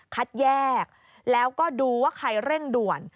คัดแยกแล้วก็ดูว่าใครเร่งด่วน